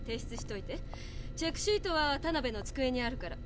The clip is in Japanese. チェックシートはタナベの机にあるから。